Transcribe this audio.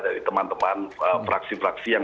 dari teman teman fraksi fraksi yang